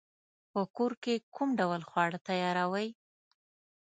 په کور کی کوم ډول خواړه تیاروئ؟